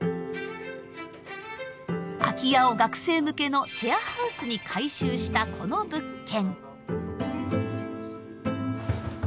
空き家を学生向けのシェアハウスに改修したこの物件。